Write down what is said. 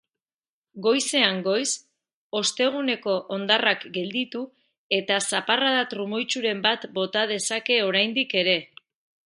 Goizean goiz, osteguneko hondarrak gelditu etazaparrada trumoitsuren bat bota dezake oraindik ere.